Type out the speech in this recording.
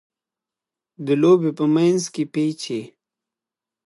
د لوبي په منځ کښي پېچ يي.